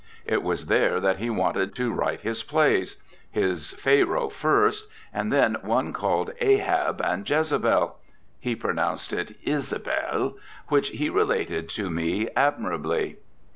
It was there that he wanted to write his plays his Pharoah first, and then one called Ahab and Jezebel (he pronounced it 'Isabelle'), which he related to me admirably.